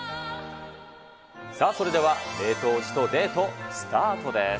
さあ、それでは冷凍王子とデートスタートです。